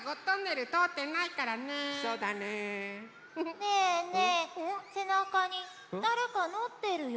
ねえねえせなかにだれかのってるよ。